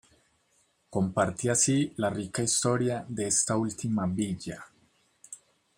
Comparte así la rica historia de esta última villa.